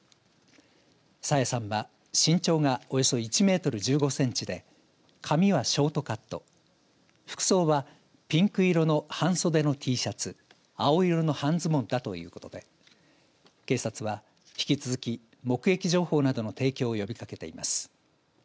朝芽さんは、身長がおよそ１メートル１５センチで髪はショートカット、服装はピンク色の半袖のＴシャツ青色の半ズボンだということで警察は引き続き目撃情報などの提供を呼びかけています。